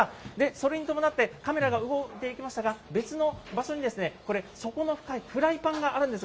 それに伴って、カメラが動いていきましたが、別の場所にこれ、底の深いフライパンがあるんですよ。